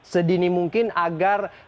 sedini mungkin agar